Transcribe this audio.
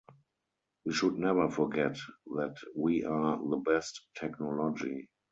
We should never forget that we are the best technology.